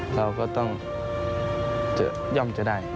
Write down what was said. เราก็ต้องย่อมจะได้